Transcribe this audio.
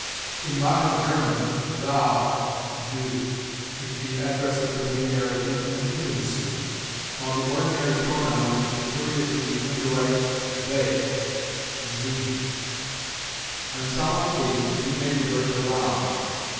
In modern German, 'thou' (du) is the address of familiarity and intimacy; while the ordinary pronoun is the curiously indirect 'they' (Sie). On solemn occasions, we may revert to 'thou.'